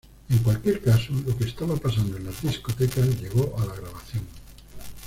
En cualquier caso, lo que estaba pasando en las discotecas llegó a la grabación.